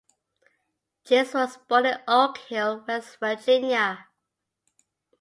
Cheese was born in Oak Hill, West Virginia.